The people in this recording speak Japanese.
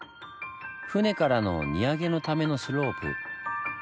船からの荷揚げのためのスロープ。